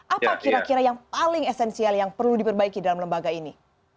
apa kira kira yang paling esensial yang perlu diperbaiki dalam lembaga ini